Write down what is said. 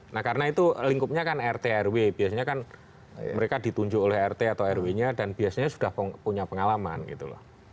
nah karena itu lingkupnya kan rt rw biasanya kan mereka ditunjuk oleh rt atau rw nya dan biasanya sudah punya pengalaman gitu loh